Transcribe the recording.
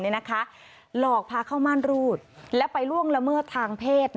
หลอกพาเข้าม่านรูดและไปล่วงละเมิดทางเพศ